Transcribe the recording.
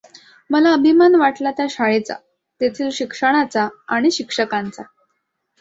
मला अभिमान वाटला त्या शाळेचा, तेथील शिक्षणाचा आणि शिक्षकांचा.